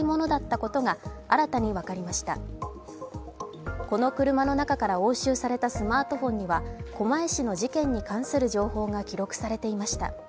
この車の中から押収されたスマートフォンには狛江市の事件に関する情報が記録されていました。